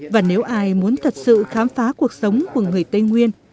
và nếu ai muốn thật sự khám phá cuộc sống của người tây nguyên